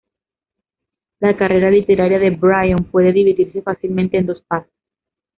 La carrera literaria de Brion puede dividirse fácilmente en dos partes.